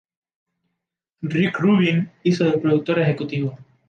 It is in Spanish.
Rick Rubin hizo de productor ejecutivo.